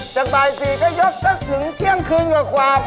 จากบ่าย๔ก็ยกจนถึงเที่ยงคืนกว่ากว่าพอ